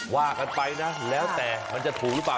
ว่ากันไปแล้วแต่ว่ามันจะถูกรึเปล่า